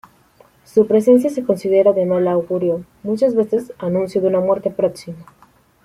Su presencia se considera de mal augurio, muchas veces anuncio de una muerte próxima.